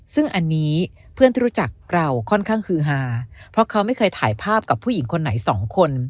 ซึ่งอันนี้เพื่อนที่รู้จักเราค่อนข้างฮือฮาเพราะเขาไม่เคยถ่ายภาพกับผู้หญิงคนไหนสองคน